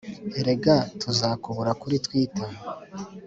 erega tuzakubura kuri twita